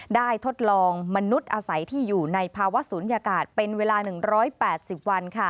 ทดลองมนุษย์อาศัยที่อยู่ในภาวะศูนยากาศเป็นเวลา๑๘๐วัน